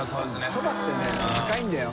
そばってね高いんだよ。